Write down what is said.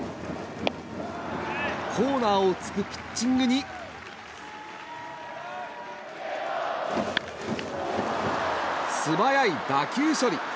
コーナーを突くピッチングに素早い打球処理。